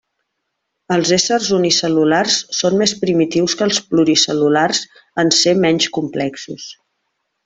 Els éssers unicel·lulars són més primitius que els pluricel·lulars en ser menys complexos.